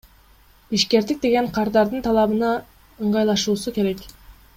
Ишкердик деген кардардын талабына ыңгайлашуусу керек.